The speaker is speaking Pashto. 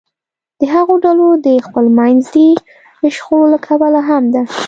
د هغو ډلو د خپلمنځي شخړو له کبله هم ده